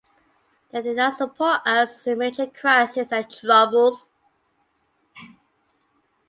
They did not support us in major crises and troubles.